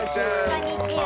こんにちは。